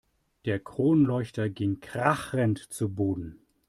Der Kronleuchter ging krachend zu Boden.